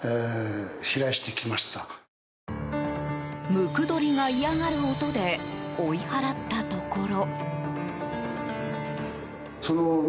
ムクドリが嫌がる音で追い払ったところ。